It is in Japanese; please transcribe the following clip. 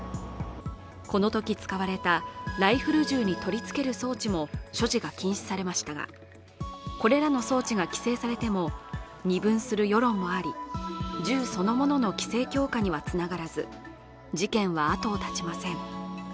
このとき使われたライフル銃に取り付ける装置も所持が禁止されましたが、これらの装置が規制されても二分する世論もあり、銃そのものの規制強化にはつながらず事件はあとを絶ちません。